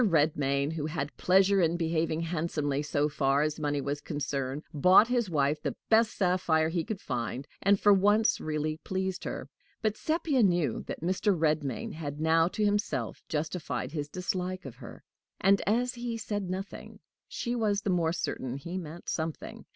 Redmain, who had pleasure in behaving handsomely so far as money was concerned, bought his wife the best sapphire he could find, and, for once, really pleased her. But Sepia knew that Mr. Redmain had now to himself justified his dislike of her; and, as he said nothing, she was the more certain he meant something.